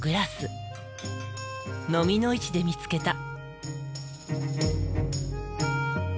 のみの市で見つけた。